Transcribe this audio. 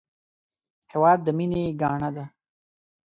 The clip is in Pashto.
هېواد د مینې ګاڼه ده